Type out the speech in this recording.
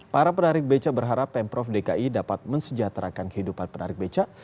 para penarik beca berharap pemprov dki dapat mensejahterakan kehidupan penarik becak